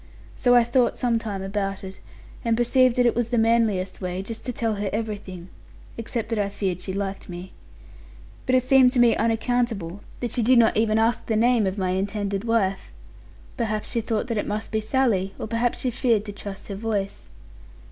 So I thought some time about it; and perceived that it was the manliest way, just to tell her everything; except that I feared she liked me. But it seemed to me unaccountable that she did not even ask the name of my intended wife. Perhaps she thought that it must be Sally; or perhaps she feared to trust her voice.